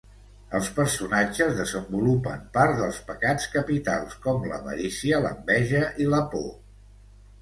Els personatges desenvolupen part dels pecats capitals, com l'avarícia, l'enveja i la por.